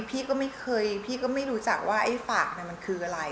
พี่ก็ไม่เคยพี่ก็ไม่รู้จักว่าไอ้ฝากมันคืออะไร